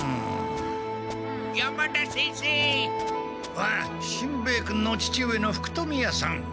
ああしんべヱ君の父上の福富屋さん。